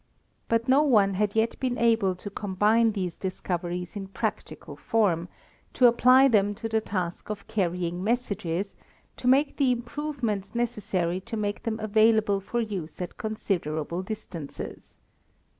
But no one had yet been able to combine these discoveries in practical form, to apply them to the task of carrying messages, to make the improvements necessary to make them available for use at considerable distances.